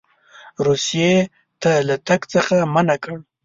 روسیې ته له تګ څخه منع کړي.